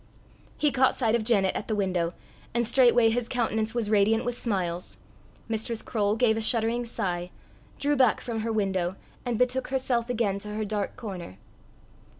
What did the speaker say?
He caught sight of Janet at the window, and straightway his countenance was radiant with smiles. Mistress Croale gave a shuddering sigh, drew back from her window, and betook herself again to her dark corner.